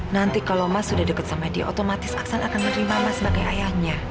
nanti kalau mas sudah dekat sama dia otomatis aksan akan menerima mas sebagai ayahnya